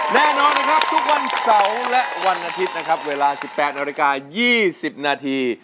แน่นอนนะครับทุกวันเสาร์และวันอาทิตย์นะครับเวลา๑๘นาฬิกา๒๐นาที